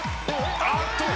あっと！